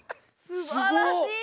すばらしい。